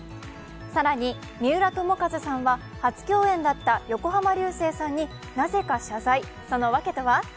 更に三浦友和さんは初共演だった横浜流星さんになぜか謝罪、そのワケとは？